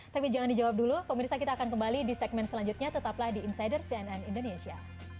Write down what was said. tapi jangan dijawab dulu pemirsa kita akan kembali di segmen selanjutnya tetaplah di insider cnn indonesia